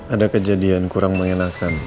ada kejadian kurang menyenangkan